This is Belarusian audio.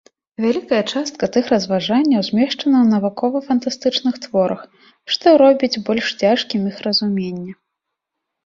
Вялікая частка тых разважанняў змешчана ў навукова-фантастычных творах, што робіць больш цяжкім іх разуменне.